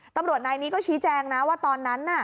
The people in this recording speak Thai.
ตำรวจนายนี้ก็ชี้แจงนะว่าตอนนั้นน่ะ